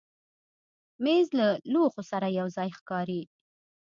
مېز له لوښو سره یو ځای ښکاري.